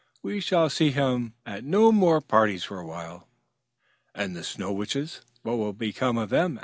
We shall see him at no more parties for a while." "And the Snow Witches? What will become of them?"